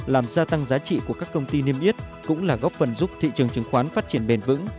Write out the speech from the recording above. làm gia tăng giá trị của các công ty niêm yết cũng là góp phần giúp thị trường chứng khoán phát triển bền vững